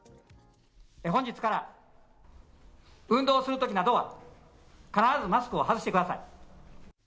本日から運動をするときなどは、必ずマスクを外してください。